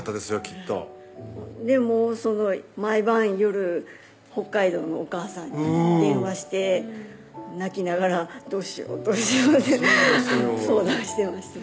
きっと毎晩夜北海道のお母さんに電話して泣きながら「どうしようどうしよう」って相談してました